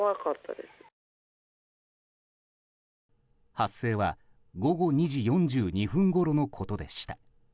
発生は午後２時４２分ごろのことでした。